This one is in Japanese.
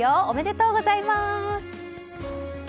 おめでとうございます！